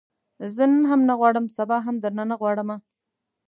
زه نن هم نه غواړم، سبا هم درنه نه غواړمه